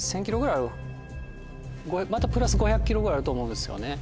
またプラス５００ｋｍぐらいあると思うんですよね。